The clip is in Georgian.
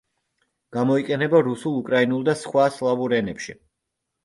გამოიყენება რუსულ, უკრაინულ და სხვა სლავურ ენებში.